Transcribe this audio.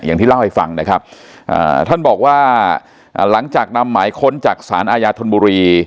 อย่างที่เล่าให้ฟังนะครับอ่าท่านบอกว่าอ่าหลังจากนำหมายค้นจากสารอาญาธนบุรี